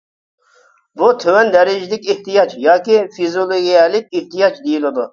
بۇ تۆۋەن دەرىجىلىك ئېھتىياج ياكى فىزىيولوگىيەلىك ئېھتىياج دېيىلىدۇ.